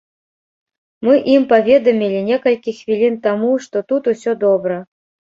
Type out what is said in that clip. Мы ім паведамілі некалькі хвілін таму, што тут усё добра.